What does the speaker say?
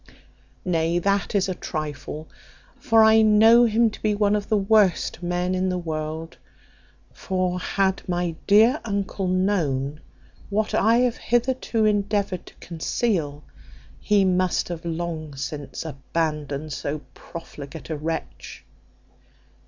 Nay, that is a trifle; for I know him to be one of the worst men in the world; for had my dear uncle known what I have hitherto endeavoured to conceal, he must have long since abandoned so profligate a wretch."